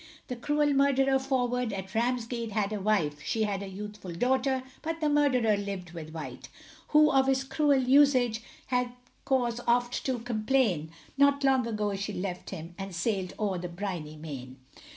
The cruel murderer Forward, at Ramsgate had a wife, She had a youthful daughter; but the murderer lived with White, Who of his cruel usage, had cause oft to complain, Not long ago she left him, and sailed o'er the briny main.